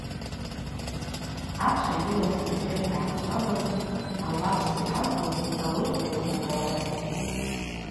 Ачва йылаз Бакьыр дгӏахъчӏвалын: – Алапс йгӏалцӏыз, ауи акӏвпӏ йаквнагауа.